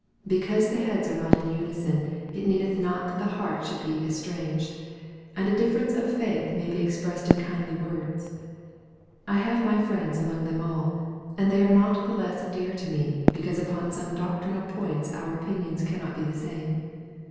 Because the heads are not in unison, it needeth not that the hearts should be estranged; and a difference of faith may be expressed in kindly words. I have my friends among them all, and they are not the less dear to me, because upon some doctrinal points our opinions cannot be the same.